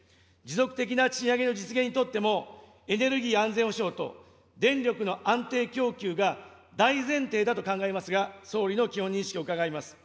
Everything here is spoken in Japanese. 持続的な賃上げの実現にとっても、エネルギー安全保障と電力の安定供給が大前提だと考えますが、総理の基本認識を伺います。